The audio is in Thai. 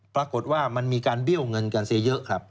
ปรากฏว่ามันมีการเบี้ยวเงินกันเสียเยอะครับ